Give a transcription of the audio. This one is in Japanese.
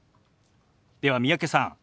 では三宅さん